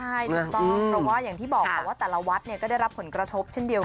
ใช่ถูกต้องเพราะว่าอย่างที่บอกว่าแต่ละวัดก็ได้รับผลกระทบเช่นเดียวกัน